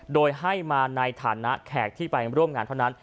โดยให้มาในฐานะแขกที่ไปร่วมงานเท่านั้น